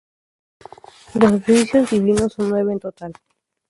Los oficios divinos son nueve en total.